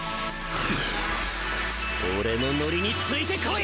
フッ俺のノリについて来い！